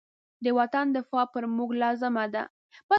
د وطن دفاع پر موږ لازمه ده.